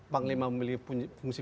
panglima memiliki fungsi